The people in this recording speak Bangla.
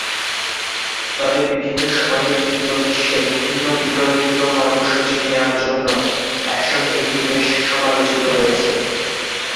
তবে বিভিন্ন সময়ে তৃতীয় বিশ্বে বিভিন্ন বিতর্কিত কর্মসূচি নেওয়ার জন্য অ্যাকশন এইড বেশ সমালোচিত হয়েছে।